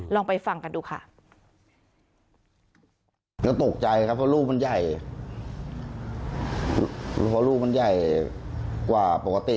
ลองไปฟังกันดูค่ะ